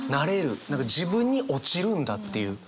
何か自分に落ちるんだっていう。